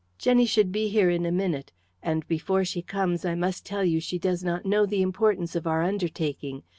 "Jenny should be here in a minute, and before she comes I must tell you she does not know the importance of our undertaking.